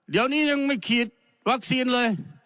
เดี๋ยวนี้ยังไม่ฉีดวัคซีนเลย